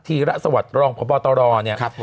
ทิระสวัสดิ์รองพบตรห์